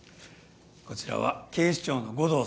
こちらは警視庁の護道さん